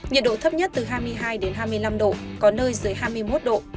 nhiệt độ thấp nhất từ hai mươi hai đến hai mươi năm độ có nơi dưới hai mươi một độ